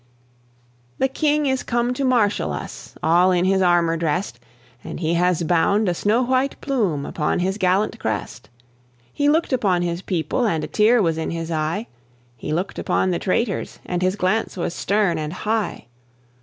The King is come to marshal us, in all his armour drest, And he has bound a snow white plume upon his gallant crest. He looked upon his people, and a tear was in his eye; He looked upon the traitors, and his glance was stern and high.